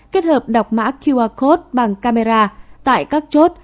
kết hợp đọc mã qr code bằng camera tại các chốt